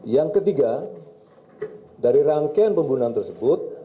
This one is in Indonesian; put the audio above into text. yang ketiga dari rangkaian pembunuhan tersebut